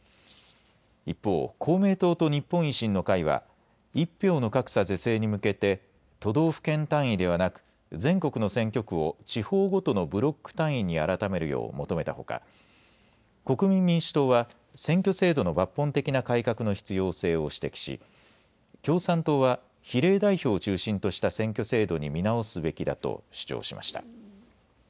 一方、公明党と日本維新の会は、１票の格差是正に向け、都道府県単位ではなく、全国の選挙区を地方ごとのブロック単位に改めるよう求めたほか、国民民主党は、選挙制度の抜本的な改革の必要性を指摘し、共産党は、比例代表を中心とした選挙制度に見直すべきだと主張しました。